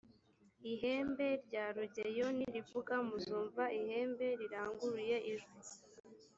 ihembe rya rugeyo nirivuga muzumva ihembe riranguruye ijwi.